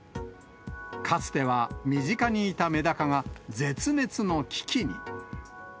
かつては身近にいたメダカが絶滅の危機に。